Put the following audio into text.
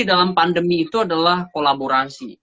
dalam pandemi itu adalah kolaborasi